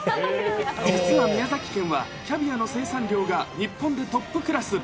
実は宮崎県は、キャビアの生産量が日本でトップクラス。